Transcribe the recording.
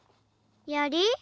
やり？